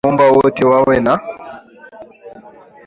di ni kuwaomba wote wawe na